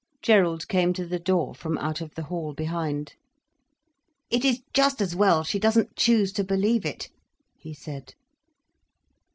Gerald came to the door from out of the hall behind. "It is just as well she doesn't choose to believe it," he said.